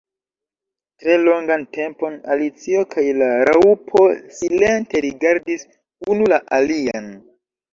Tre longan tempon Alicio kaj la Raŭpo silente rigardis unu la alian.